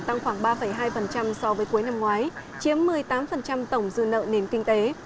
tăng khoảng ba hai so với cuối năm ngoái chiếm một mươi tám tổng dư nợ nền kinh tế